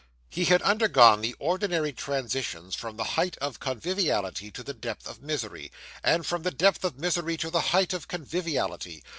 He had undergone the ordinary transitions from the height of conviviality to the depth of misery, and from the depth of misery to the height of conviviality.